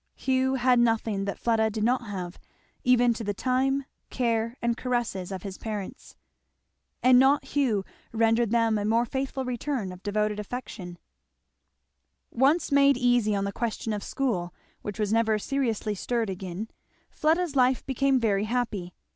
Hugh had nothing that Fleda did not have, even to the time, care, and caresses of his parents. And not Hugh rendered them a more faithful return of devoted affection. [Illustration: The children were always together.] Once made easy on the question of school, which was never seriously stirred again, Fleda's life became very happy.